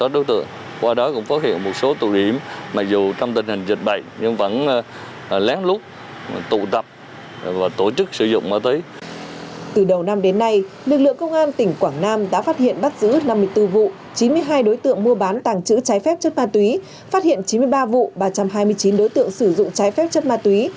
chín mươi hai đối tượng mua bán tàng trữ trái phép chất ma túy phát hiện chín mươi ba vụ ba trăm hai mươi chín đối tượng sử dụng trái phép chất ma túy